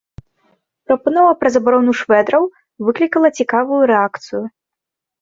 Прапанова пра забарону швэдраў выклікала цікавую рэакцыю.